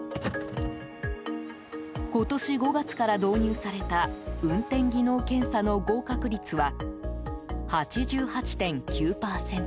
今年５月から導入された運転技能検査の合格率は８８．９％。